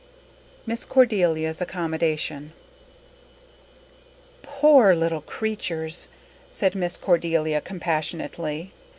Miss Cordelia's Accommodation "Poor little creatures!" said Miss Cordelia compassionately.